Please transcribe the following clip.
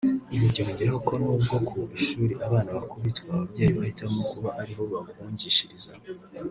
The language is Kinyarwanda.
Ibi byongeraho ko n’ubwo ku ishuri abana bakubitwa ababyeyi bahitamo kuba ariho babahungishiriza